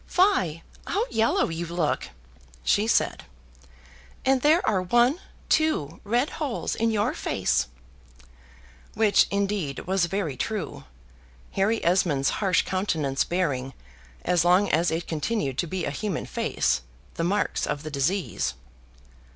"Fie! how yellow you look," she said; "and there are one, two, red holes in your face;" which, indeed, was very true; Harry Esmond's harsh countenance bearing, as long as it continued to be a human face, the marks of the disease.